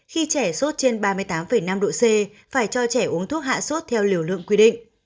khi trẻ sốt trên ba mươi tám năm độ c phải cho trẻ uống thuốc hạ sốt theo liều lượng quy định